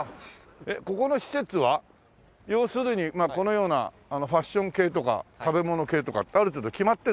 ここの施設は要するにこのようなファッション系とか食べ物系とかある程度決まってるんですか？